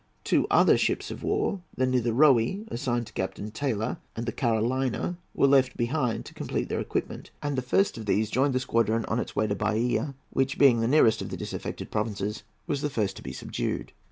Two other ships of war, the Nitherohy, assigned to Captain Taylor, and the Carolina, were left behind to complete their equipment, and the first of these joined the squadron on its way to Bahia, which, being the nearest of the disaffected provinces, was the first to be subdued.